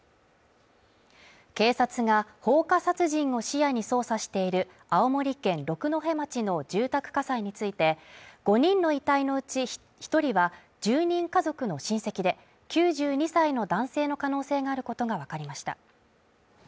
警察が放火殺人を視野に捜査している青森県六戸町の住宅火災について５人の遺体のうち１人は住人家族の親戚で、９２歳の男性の可能性があることがわかりました